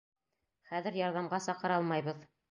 Хәҙер ярҙамға саҡыра алмайбыҙ!